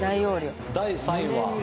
第３位は。